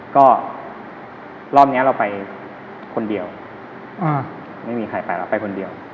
ก็รอบนี้เราไปคนเดียวไม่มีใครไปแล้วไปคนเดียว